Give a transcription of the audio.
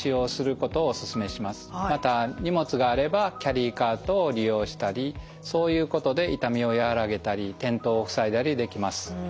また荷物があればキャリーカートを利用したりそういうことで痛みを和らげたり転倒を防いだりできます。